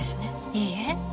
いいえ。